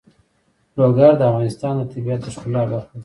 لوگر د افغانستان د طبیعت د ښکلا برخه ده.